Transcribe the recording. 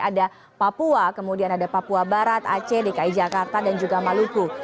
ada papua kemudian ada papua barat aceh dki jakarta dan juga maluku